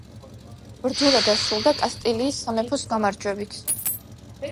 ბრძოლა დასრულდა კასტილიის სამეფოს გამარჯვებით.